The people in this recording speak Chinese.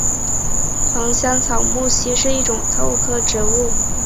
黄香草木樨是一种豆科植物。